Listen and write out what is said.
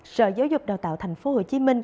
sở giáo dục và đào tạo tp hcm